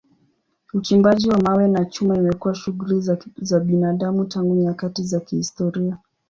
Uchimbaji wa mawe na chuma imekuwa shughuli za binadamu tangu nyakati za kihistoria.